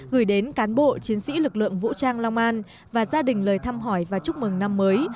gửi đến cán bộ chiến sĩ lực lượng vũ trang long an và gia đình lời thăm hỏi và chúc mừng năm mới